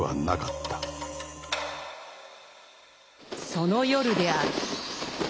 その夜である。